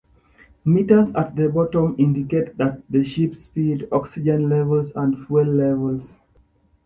Meters at the bottom indicate the ship's speed, Oxygen Levels, and Fuel Levels.